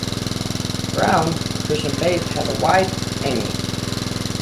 Brown, of Christian faith, has a wife, Ami.